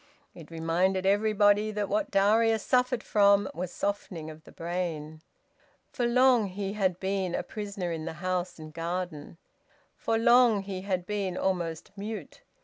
It reminded everybody that what Darius suffered from was softening of the brain. For long he had been a prisoner in the house and garden. For long he had been almost mute.